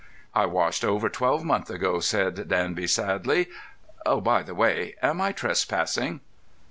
"I washed over twelve months ago," said Danby sadly. "Oh, by the way, am I trespassing?"